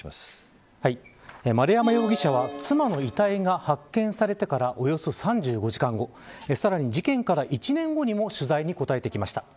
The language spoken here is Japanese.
丸山容疑者は妻の遺体が発見されてからおよそ３５時間後さらに事件から１年後にも取材に答えてきました。